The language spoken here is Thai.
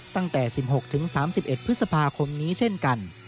ตั้งแต่๑๖๓๑พฤษภาคมนี้เช่นกัน